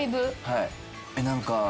はい。